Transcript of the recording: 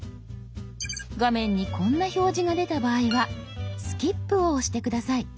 画面にこんな表示が出た場合は「スキップ」を押して下さい。